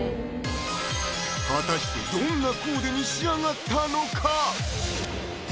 果たしてどんなコーデに仕上がったのか？